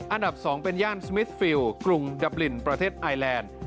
อันดับ๒เป็นย่านสมิทฟิลกรุงดับลินประเทศไอแลนด์